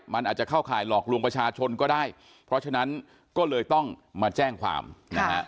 มันอาจจะเข้าข่ายหลอกลวงประชาชนก็ได้เพราะฉะนั้นก็เลยต้องมาแจ้งความนะฮะ